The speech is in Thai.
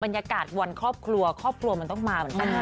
บรรยากาศวันครอบครัวครอบครัวมันต้องมาเหมือนกันนะ